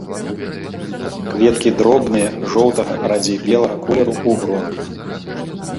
Кветкі дробныя, жоўтага, радзей белага колеру, у гронках.